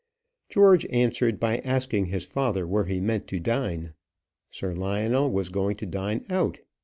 George answered by asking his father where he meant to dine. Sir Lionel was going to dine out.